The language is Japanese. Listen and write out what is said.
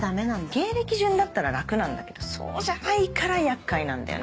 芸歴順だったら楽なんだけどそうじゃないから厄介なんだよね。